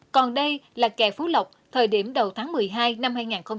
còn đây là kè phú lộc thời điểm đầu tháng một mươi hai năm hai nghìn một mươi năm